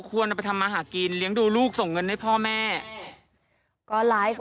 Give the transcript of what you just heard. ควรเอาไปทำมาหากินเลี้ยงดูลูกส่งเงินให้พ่อแม่ก็ไลฟ์